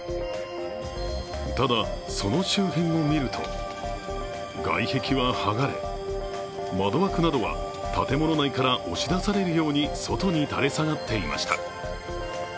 ただ、その周辺を見ると外壁は剥がれ、窓枠などは建物内から押し出されるように外に垂れ下がっていました。